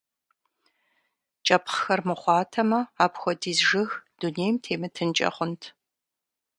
КIэпхъхэр мыхъуатэмэ, апхуэдиз жыг дунейм темытынкIэ хъунт.